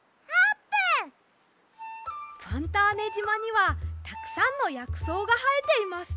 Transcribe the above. ファンターネじまにはたくさんのやくそうがはえています。